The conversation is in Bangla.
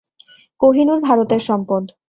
কোহিনূর ভারতের সম্পদ!